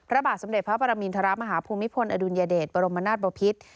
พระบาทสมเด็จพระปรมินทรมาฮภูมิพลอดุลยเดชบรมนาศบพิษ